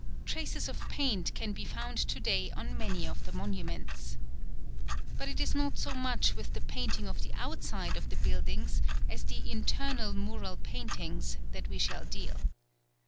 Traces of paint can be found to day on many of the monuments. But it is not so much with the painting of the outside of the buildings as the internal mural paintings that we shall deal.